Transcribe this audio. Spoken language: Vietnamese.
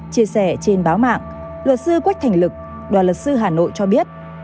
chia sẻ trên báo mạng luật sư quách thành lực đoàn luật sư hà nội cho biết